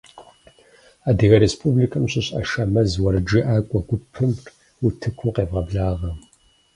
Адыгэ республикэм щыщ «Ашэмэз» уэрэджыӏакӏуэ гупыр утыкум къевгъэблагъэ!